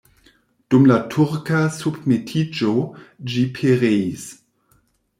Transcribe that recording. Dum la turka submetiĝo ĝi pereis.